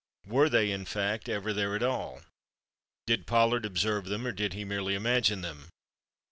Were they, in fact, ever there at all? Did Pollard observe them, or did he merely imagine them?